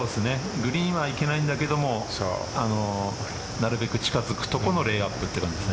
グリーンはいけないんだけどなるべく近づくとこのレイアップというところ。